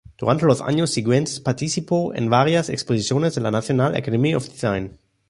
Durante los años siguientes participó en varias exposiciones de la National Academy of Design.